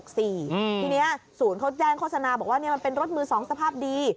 ทีนี้ศูนย์เขาแจ้งโฆษณาบอกว่ามันเป็นรถมือ๒สภาพดี